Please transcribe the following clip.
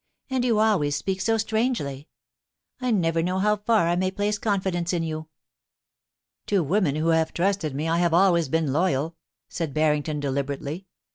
And you always speak so strangely. I never know how far I may place confidence in you.' *To women who have trusted me I have always been loyal,' said Barrington, deliberately.